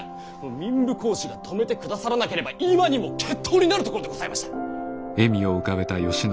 民部公子が止めてくださらなければ今にも決闘になるところでございました。